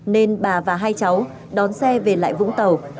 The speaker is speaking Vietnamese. nên bà và hai cháu đón xe về lại vũng tàu